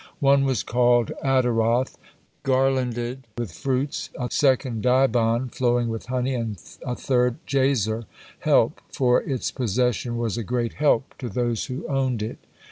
One was called Ataroth, "garlanded with fruits;" a second, Dibon, "flowing with honey;" a third, Jazer, "help," for its possession was a great help to those who owned it.